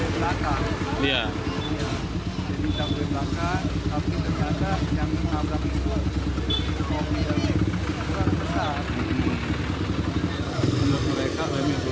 jadi kita berbakat tapi ternyata yang menabrak itu mobil yang terlalu besar